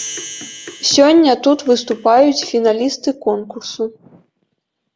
Сёння тут выступаюць фіналісты конкурсу.